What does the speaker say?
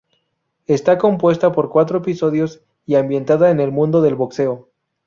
Está compuesta por cuatro episodios, y ambientada en el mundo del boxeo.